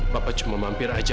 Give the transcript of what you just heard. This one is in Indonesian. papa cuma mampir aja